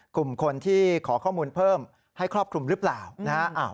กลุ่มคนที่ขอข้อมูลเพิ่มให้ครอบคลุมหรือเปล่านะฮะ